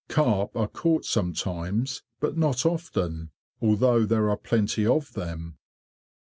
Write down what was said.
Carp are caught sometimes, but not often, although there are plenty of them.